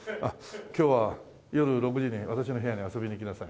「今日は夜６時に私の部屋に遊びに来なさい」